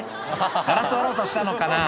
「ガラス割ろうとしたのかな？